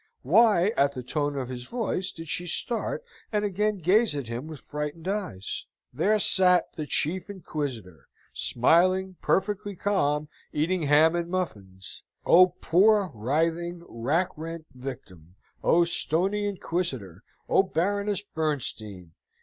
Why, at the tone of his voice, did she start, and again gaze at him with frightened eyes? There sate the Chief Inquisitor, smiling, perfectly calm, eating ham and muffins. O poor writhing, rack rent victim! O stony Inquisitor! O Baroness Bernstein!